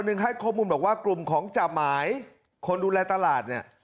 คนหนึ่งให้โขมุมบอกว่ากลุ่มของจ่ะหมายคนดูแลตลาดเนี่ย